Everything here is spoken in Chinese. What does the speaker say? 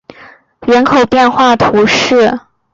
孔拉格朗德维勒人口变化图示